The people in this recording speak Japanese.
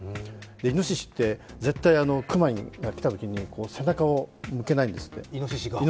いのししって、絶対、熊が来たときに背中を向けないんですって。